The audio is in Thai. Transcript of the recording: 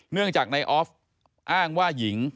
เนื่องจากนายออฟอ้างว่าหญิง